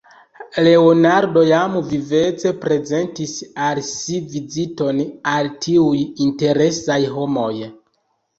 Leonardo jam vivece prezentis al si viziton al tiuj interesaj homoj.